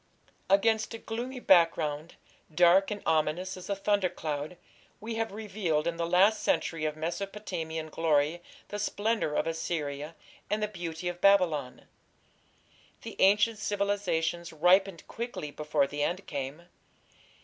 Against a gloomy background, dark and ominous as a thundercloud, we have revealed in the last century of Mesopotamian glory the splendour of Assyria and the beauty of Babylon. The ancient civilizations ripened quickly before the end came.